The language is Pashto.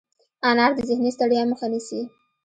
انار د ذهني ستړیا مخه نیسي.